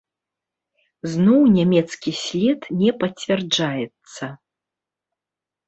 Зноў нямецкі след не пацвярджаецца.